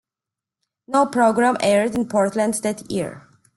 No program aired in Portland that year.